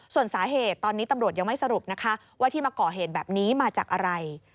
ส่วนสาเหตุตอนนี้ตำรวจยังไม่สรุปนะคะว่าที่มาก่อเหตุแบบนี้มาจากอะไร